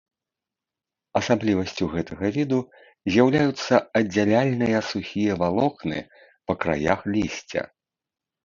Асаблівасцю гэтага віду з'яўляюцца аддзяляльныя сухія валокны па краях лісця.